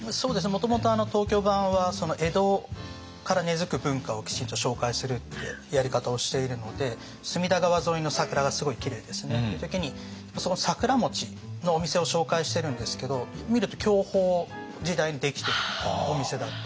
もともと東京版は江戸から根づく文化をきちんと紹介するってやり方をしているので隅田川沿いの桜がすごいきれいですねっていう時にその桜のお店を紹介してるんですけど見ると享保時代に出来てるお店だったり。